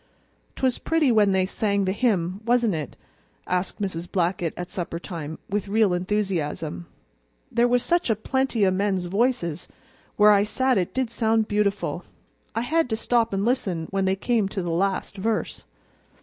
"'Twas pretty when they sang the hymn, wasn't it?" asked Mrs. Blackett at suppertime, with real enthusiasm. "There was such a plenty o' men's voices; where I sat it did sound beautiful. I had to stop and listen when they came to the last verse."